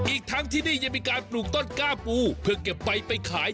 อีกทั้งที่นี่ยังมีการปลูกต้นกล้าปูเพื่อเก็บไปไปขาย